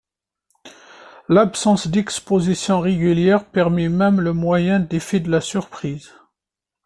L’absence d’exposition régulière permet même le moyen d’effet de la surprise.